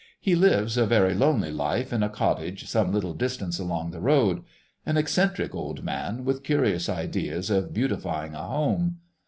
"He lives a very lonely life in a cottage some little distance along the road. An eccentric old man, with curious ideas of beautifying a home....